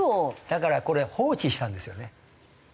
だからこれ放置したんですよね。